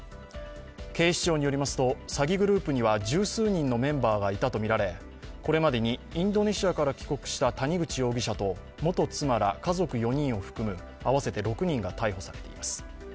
警視庁によりますと詐欺グループには十数人のメンバーがいたとみられ、これまでにインドネシアから帰国した谷口容疑者と元妻ら家族４人を含む合わせて６人が逮捕されています。